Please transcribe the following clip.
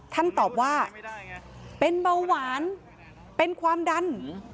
ท่านตอบว่าเป็นเบาหวานเป็นความดัน